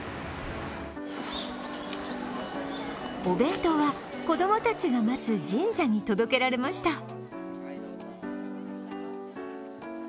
お弁当は子供たちが待つ神社に届けられました。